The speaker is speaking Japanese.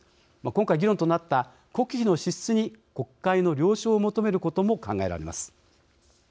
今回、議論となった国費の支出に国会の了承を求めることも考えられます。